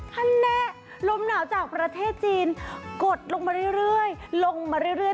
ถ้าแนะลมหนาวจากประเทศจีนกดลงมาเรื่อยลงมาเรื่อย